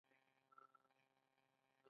• د انتظار لپاره کښېنه.